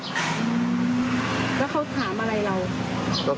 แล้วเขาถามอะไรเรา